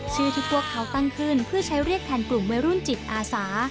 ที่พวกเขาตั้งขึ้นเพื่อใช้เรียกแทนกลุ่มวัยรุ่นจิตอาสา